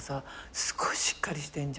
すごいしっかりしてんじゃん。